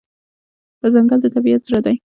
ځنګل د طبیعت زړه دی.